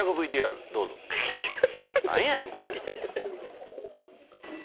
何やねんこれ。